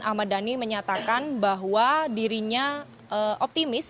ahmad dhani menyatakan bahwa dirinya optimis